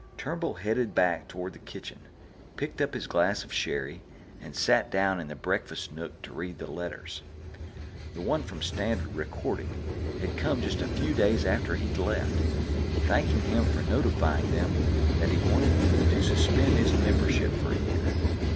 Turnbull headed back toward the kitchen, picked up his glass of sherry, and sat down in the breakfast nook to read the letters. The one from Standard Recording had come just a few days after he'd left, thanking him for notifying them that he wanted to suspend his membership for a year.